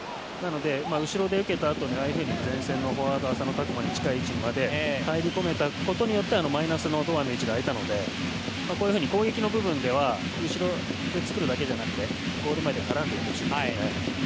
後ろで受けたあとに前線のフォワード浅野拓磨に近い位置にまで入り込めたことによってマイナスの堂安の位置が空いたので攻撃の部分では後ろで作るだけじゃなくゴール前で絡んでいってほしいですね。